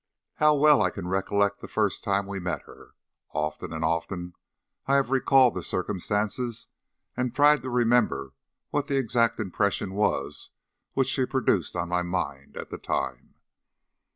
How well I can recollect the first time we met her! Often and often I have recalled the circumstances, and tried to remember what the exact impression was which she produced on my mind at the time.